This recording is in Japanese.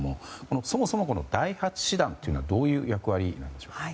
そもそも第８師団というのはどういう役割なんでしょうか。